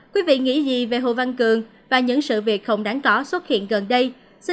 quý vị nghĩ gì về hồ văn cường và những sự việc không đáng có xuất hiện gần đây